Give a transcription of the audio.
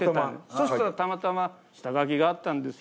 そしたらたまたま下書きがあったんですよ。